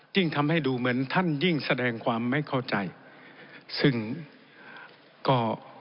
ยิ่งทำให้ดูเหมือนท่านยิ่งแสดงความไม่เข้าใจซึ่งก็